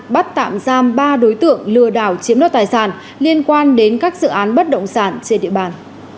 bắt tạm giam ba đối tượng lừa đảo chiếm đoạt tài sản liên quan đến các dự án bất động sản trên địa bàn